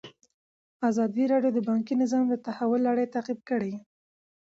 ازادي راډیو د بانکي نظام د تحول لړۍ تعقیب کړې.